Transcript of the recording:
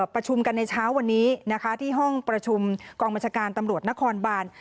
ประชุมกันในเช้าวันนี้นะคะที่ห้องประชุมกองบัญชาการตำรวจนครบาน